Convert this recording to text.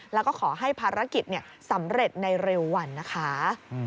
แล้วก็ขอให้ภารกิจสำเร็จในเร็ววันนะคะ